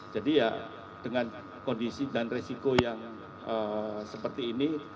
jadi ya dengan kondisi dan resiko yang seperti ini